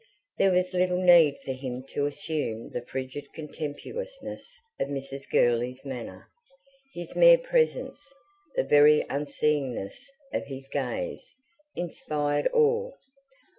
There was little need for him to assume the frigid contemptuousness of Mrs. Gurley's manner: his mere presence, the very unseeingness of his gaze, inspired awe.